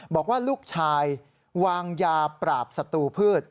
บอกว่าลูกชายวางยาปราบศัตรูพืช